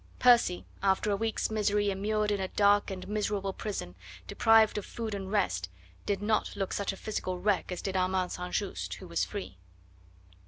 Percy after a week's misery immured in a dark and miserable prison, deprived of food and rest, did not look such a physical wreck as did Armand St. Just, who was free.